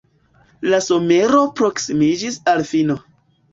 La somero proksimiĝis al fino.